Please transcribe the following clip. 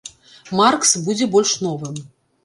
Маркс будзе больш новым.